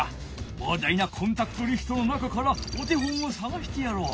ぼうだいなコンタクトリストの中からお手本をさがしてやろう。